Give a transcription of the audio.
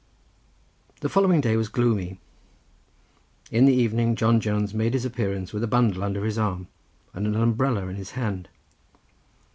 The following day was gloomy. In the evening John Jones made his appearance with a bundle under his arm, and an umbrella in his hand.